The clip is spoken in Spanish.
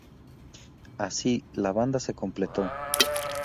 Así, la banda se completó.